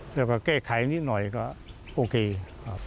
แล้วก็แก้ไขนิดหน่อยก็โอเคครับ